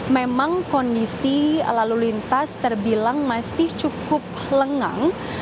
memang kondisi lalu lintas terbilang masih cukup lengang